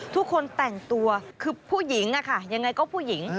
ทุกคนแต่งตัวคือผู้หญิงอะค่ะยังไงก็ผู้หญิง